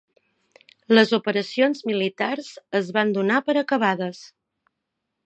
Les operacions militars es van donar per acabades.